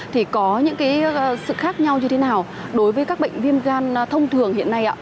thì có những cái sự khác nhau như thế nào đối với các bệnh viêm gan thông thường hiện nay ạ